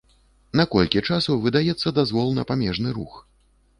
На колькі часу выдаецца дазвол на памежны рух?